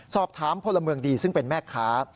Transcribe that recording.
สอบถามพลเมืองดีซึ่งเป็นแม่ค้า